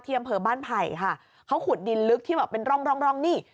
อำเภอบ้านไผ่ค่ะเขาขุดดินลึกที่แบบเป็นร่องร่องนี่